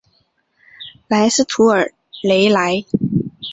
莱斯图尔雷莱。